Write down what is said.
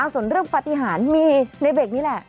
ส่วนเรื่องปฏิหารมีในเบรกนี้แหละ